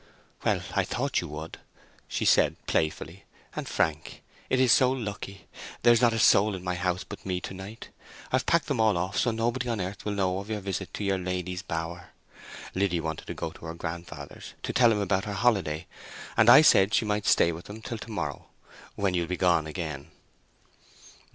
"Well, I thought you would," she said, playfully; "and, Frank, it is so lucky! There's not a soul in my house but me to night. I've packed them all off so nobody on earth will know of your visit to your lady's bower. Liddy wanted to go to her grandfather's to tell him about her holiday, and I said she might stay with them till to morrow—when you'll be gone again."